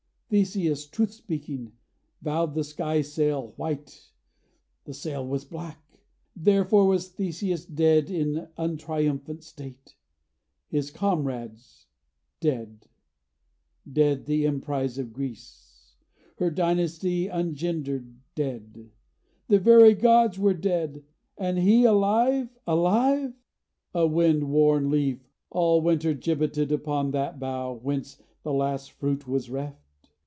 Theseus, truth speaking, vowed the sky sail white; The sail was black: therefore was Theseus dead In untriumphant state; his comrades, dead; Dead, the emprise of Greece; her dynasty Ungendered, dead; the very gods were dead! And he alive, alive? a wind worn leaf All winter gibbeted upon that bough Whence the last fruit was reft?